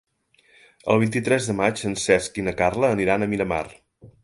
El vint-i-tres de maig en Cesc i na Carla aniran a Miramar.